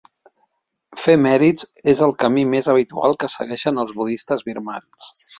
Fer mèrits és el camí més habitual que segueixen els Budistes birmans.